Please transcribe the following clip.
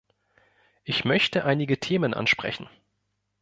Ich möchte einige Themen ansprechen.